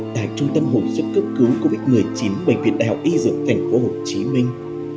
tại trung tâm hồi sức cấp cứu covid một mươi chín bệnh viện đại học y dưỡng cảnh của hồ chí minh